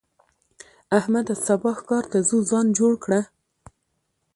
احمده! سبا ښکار ته ځو؛ ځان جوړ کړه.